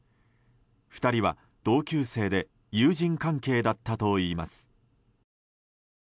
２人は同級生で友人関係だったといいます。